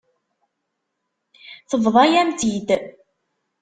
Tebḍa-yam-tt-id.